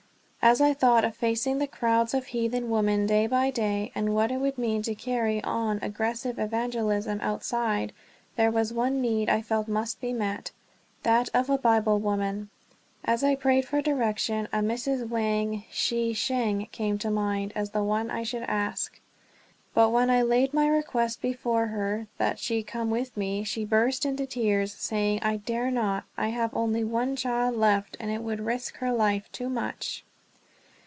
As I thought of facing the crowds of heathen women day by day, and what it would mean to carry on aggressive evangelism outside, there was one need I felt must be met that of a Bible woman. As I prayed for direction, a Mrs. Wang Hsieh sheng came to mind as the one I should ask. But when I laid my request before her, that she come with me, she burst into tears, saying: "I dare not. I have only one child left, and it would risk her life too much."